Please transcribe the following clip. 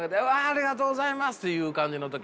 ありがとうございます！っていう感じの時ね。